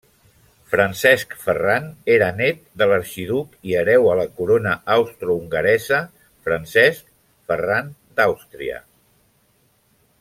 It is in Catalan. Francesc Ferran era nét de l'arxiduc i hereu a la Corona austrohongaresa, Francesc Ferran d'Àustria.